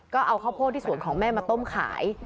ก็เอาข้าวโพดที่สวนของแม่มาต้มขาย